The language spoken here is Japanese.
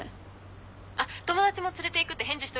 あっ友達も連れていくって返事しといたから。